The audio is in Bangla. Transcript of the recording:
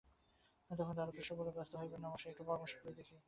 তখন দারুকেশ্বর কহিল, ব্যস্ত হবেন না মশায়, একটু পরামর্শ করে দেখি!